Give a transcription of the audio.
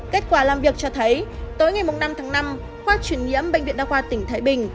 kết quả làm việc cho thấy tối ngày năm tháng năm khoa chuyển nhiễm bệnh viện đa khoa tỉnh thái bình